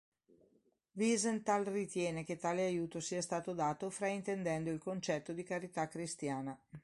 Wiesenthal ritiene che tale aiuto sia stato dato fraintendendo il concetto di carità cristiana.